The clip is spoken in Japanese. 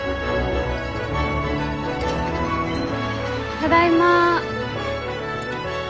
ただいま。